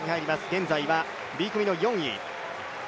現在はＢ組の４位。